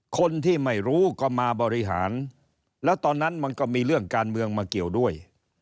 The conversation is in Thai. คนที่ไม่รู้ก็มาบริหารแล้วตอนนั้นมันก็มีเรื่องการเมืองมาเกี่ยวด้วย